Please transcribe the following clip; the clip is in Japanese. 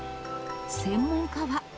専門家は。